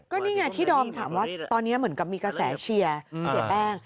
ก็นี่ไงที่ดอมถามว่าตอนนี้เหมือนกับมีกระแสเชียร์เสียแป้ง